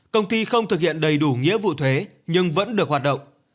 công ty không thực hiện đầy đủ nghĩa vụ thuế nhưng vẫn được hoạt động